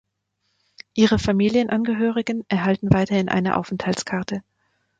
Ihre Familienangehörigen erhalten weiterhin eine Aufenthaltskarte.